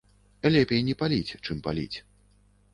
Лепей не паліць, чым паліць.